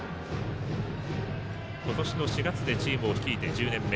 今年の４月でチームを率いて１０年目。